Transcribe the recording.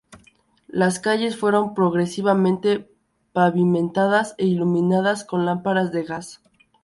Las calles fueron progresivamente pavimentadas e iluminadas con lámparas de gas.